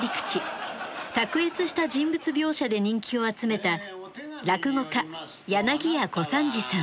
卓越した人物描写で人気を集めた落語家柳家小三治さん。